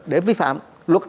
để vi phạm luật